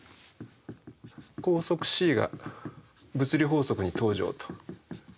光速ｃが物理法則に登場と。